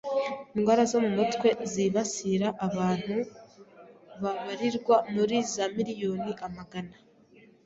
“Indwara zo mu mutwe zibasira abantu babarirwa muri za miriyoni amagana